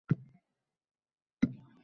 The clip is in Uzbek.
Keyingi ijro navbati ga.